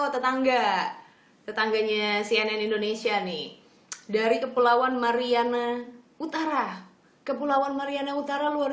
tetangga tetangganya cnn indonesia nih dari kepulauan mariana utara kepulauan mariana utara luar